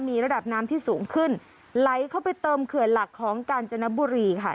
มีระดับน้ำที่สูงขึ้นไหลเข้าไปเติมเขื่อนหลักของกาญจนบุรีค่ะ